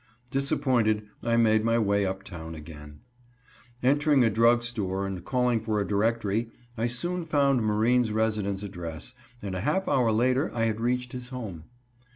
Disappointed, I made my way up town again. Entering a drug store, and calling for a directory, I soon found Marine's residence address, and a half hour later I had reached his home.